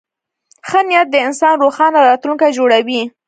ښه نیت د انسان روښانه راتلونکی جوړوي.